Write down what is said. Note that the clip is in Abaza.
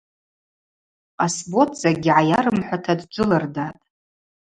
Къасбот закӏгьи гӏайарымхӏвуата дджвылырдатӏ.